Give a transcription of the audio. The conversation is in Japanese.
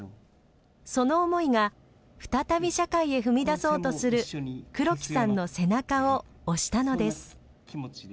その思いが再び社会へ踏み出そうとする黒木さんの背中を押したのです。